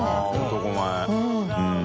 男前。